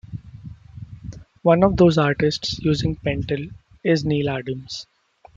One of those artists using Pentel is Neal Adams.